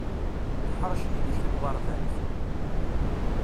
Teḥṛec yelli-k deg uɣerbaz?